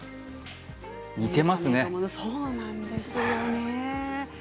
似てますね。